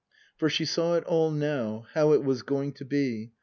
For she saw it all now how it was going to be.